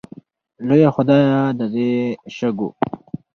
لویه خدایه د دې شګو